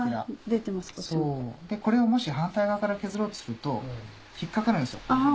これをもし反対側から削ろうとすると引っ掛かるんですよ。